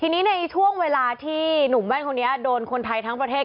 ทีนี้ในช่วงเวลาที่หนุ่มแว่นคนนี้โดนคนไทยทั้งประเทศ